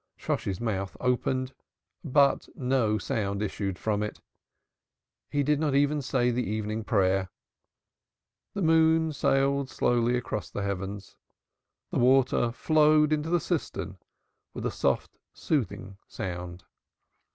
Shosshi's mouth opened, but no sound issued from it. He did not even say the Evening Prayer. The moon sailed slowly across the heavens. The water flowed into the cistern with a soft soothing sound.